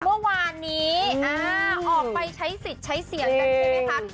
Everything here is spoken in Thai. เมื่อวานนี้ออกไปใช้สิทธิ์ใช้เสียงกันใช่ไหมคะ